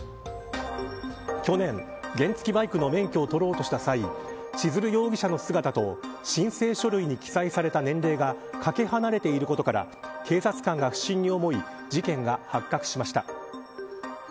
去年、原付バイクの免許を取ろうとした際千鶴容疑者の姿と申請書類に記載された年齢がかけ離れていることから警察官が不審に思い事件が発覚しました。